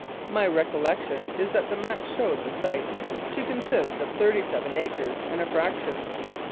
My recollection is that the map showed the site to consist of thirty seven acres and a fraction.